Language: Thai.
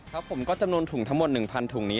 ครับผมก็จำนวนถุงทั้งหมด๑๐๐ถุงนี้